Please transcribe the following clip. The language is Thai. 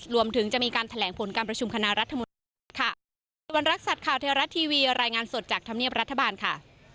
รวมถึงจะมีการแถลงผลการประชุมคณะรัฐมนตรีค่ะ